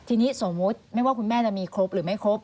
ทีนี้สมมุติไม่ว่าคุณแม่จะมีครบหรือไม่ครบ